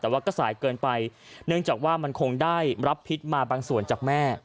แต่ว่าก็สายเกินไปเนื่องจากว่ามันคงได้รับพิษมาบางส่วนจากแม่